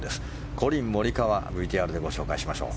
コリン・モリカワＶＴＲでご紹介しましょう。